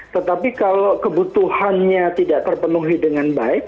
tetapi kalau kebutuhannya tidak terpenuhi dengan baik